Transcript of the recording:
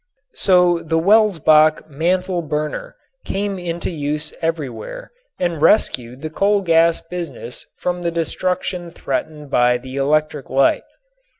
So the Welsbach mantle burner came into use everywhere and rescued the coal gas business from the destruction threatened by the electric light.